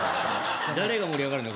誰が盛り上がるんだ？